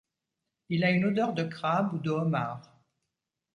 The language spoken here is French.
Il a une odeur de crabe ou de homard.